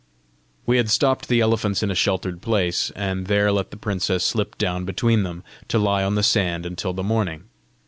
We had stopped the elephants in a sheltered place, and there let the princess slip down between them, to lie on the sand until the morning.